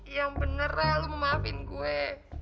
yang bener lah lo mau maafin gue